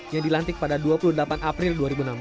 yang dilantik pada dua puluh delapan april dua ribu enam belas